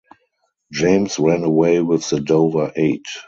James ran away with the Dover Eight.